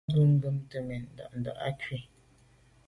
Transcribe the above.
A be ghubte mèn nda’nda’ à kwù.